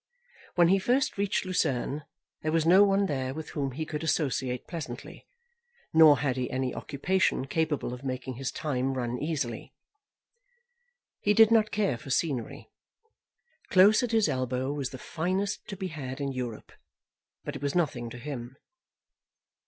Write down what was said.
When he first reached Lucerne there was no one there with whom he could associate pleasantly, nor had he any occupation capable of making his time run easily. He did not care for scenery. Close at his elbow was the finest to be had in Europe; but it was nothing to him.